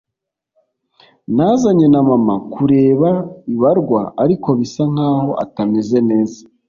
Nazanye na mama kureba ibarwa, ariko bisa nkaho atameze neza.